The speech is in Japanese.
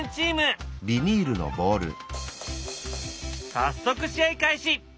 早速試合開始！